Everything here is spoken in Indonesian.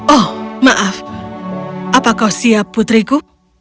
oh maaf apa kau siap putriku